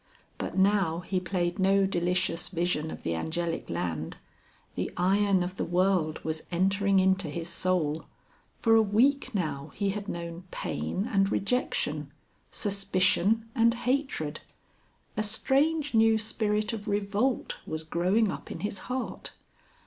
But now he played no delicious vision of the Angelic Land. The iron of the world was entering into his soul. For a week now he had known pain and rejection, suspicion and hatred; a strange new spirit of revolt was growing up in his heart.